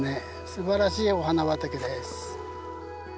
すばらしいお花畑です。